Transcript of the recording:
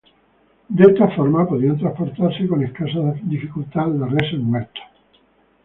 De esta forma podían transportarse con escasa dificultad las reses muertas.